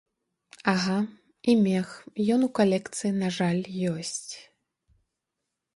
Ага, і мех, ён у калекцыі, на жаль, ёсць.